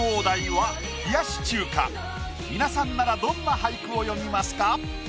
皆さんならどんな俳句を詠みますか？